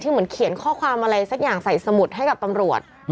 เหมือนเขียนข้อความอะไรสักอย่างใส่สมุดให้กับตำรวจ